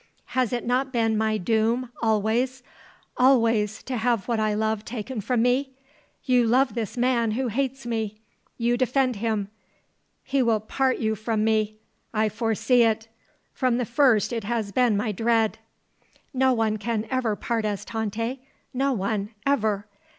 "Has it not been my doom, always always to have what I love taken from me! You love this man who hates me! You defend him! He will part you from me! I foresee it! From the first it has been my dread!" "No one can ever part us, Tante. No one. Ever."